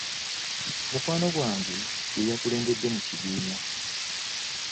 Mukwano gwange ye yakulembedde mu kibiina.